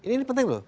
ini penting loh